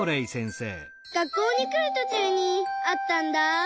学校にくるとちゅうにあったんだ。